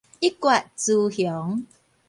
一決雌雄